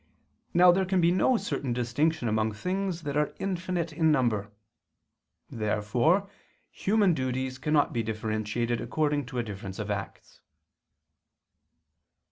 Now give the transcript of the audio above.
Now there can be no certain distinction among things that are infinite in number. Therefore human duties cannot be differentiated according to a difference of acts.